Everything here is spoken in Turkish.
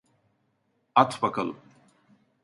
At bakalım.